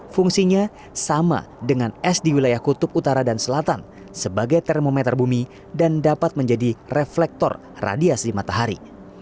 fungsinya sama dengan es di wilayah kutub utara dan selatan sebagai termometer bumi dan dapat menjadi reflektor radiasi matahari